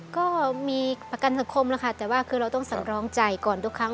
ก็มีประกันสังคมแล้วค่ะแต่ว่าคือเราต้องสำรองใจก่อนทุกครั้ง